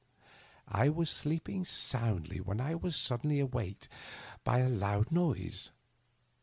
I was sleeping soundly when I was suddenly waked by a loud noise.